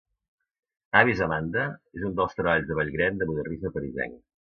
"Havis Amanda" és un dels treballs de Vallgren de modernisme parisenc.